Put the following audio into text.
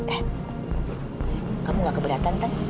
eh kamu nggak keberatan tan